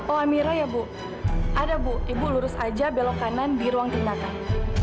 oh amira ya bu ada bu ibu lurus aja belok kanan di ruang tindakan